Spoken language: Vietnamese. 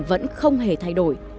vẫn không hề thay đổi